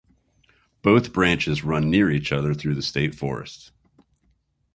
Both branches run near each other through the state forest.